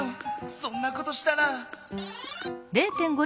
そんなことしたら。